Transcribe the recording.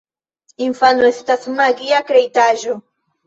Infano estas magia kreitaĵo.